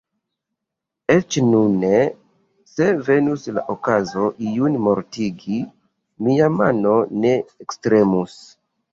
Eĉ nune, se venus la okazo iun mortigi, mia mano ne ektremus.